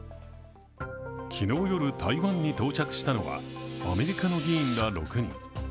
昨日夜、台湾に到着したのはアメリカの議員ら６人。